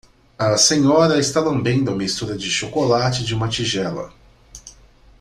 A senhora está lambendo a mistura de chocolate de uma tigela.